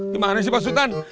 gimana sih pak sutan